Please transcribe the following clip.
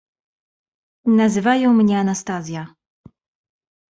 "Nazywają mnie Anastazja."